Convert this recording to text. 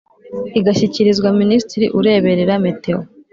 Igashyikirizwa minisitiri ureberera meteo